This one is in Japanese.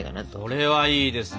これはいいですね。